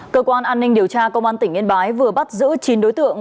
cơ quan an ninh điều tra công an tỉnh yên bái vừa bắt giữ chín đối tượng